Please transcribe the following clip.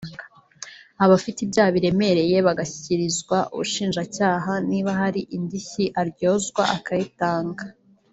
abafite ibyaha biremereye bagashyikirizwa ubushinjacyaha niba hari n’indishyi aryozwa akazitanga"